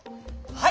はい。